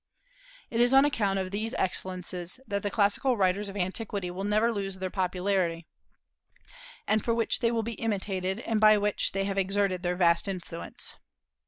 It is on account of these excellences that the classical writers of antiquity will never lose their popularity, and for which they will be imitated, and by which they have exerted their vast influence.